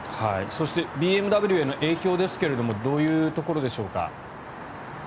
そしてＢＭＷへの影響ですけれどもどういうところでしょうか。